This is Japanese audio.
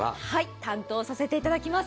担当させていただきます